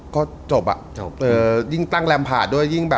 ก็จบอ่ะยิ่งตั้งแรมผาดด้วย